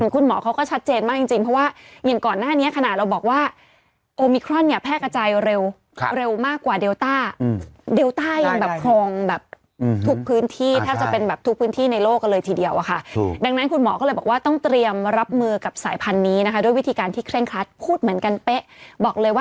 คุณหมอเขาก็ชัดเจนมากจริงเพราะว่าอย่างก่อนหน้านี้ขณะเราบอกว่าโอมิครอนเนี่ยแพร่กระจายเร็วเร็วมากกว่าเดลต้าเดลต้ายังแบบครองแบบทุกพื้นที่แทบจะเป็นแบบทุกพื้นที่ในโลกกันเลยทีเดียวอะค่ะถูกดังนั้นคุณหมอก็เลยบอกว่าต้องเตรียมรับมือกับสายพันธุ์นี้นะคะด้วยวิธีการที่เคร่งครัดพูดเหมือนกันเป๊ะบอกเลยว่า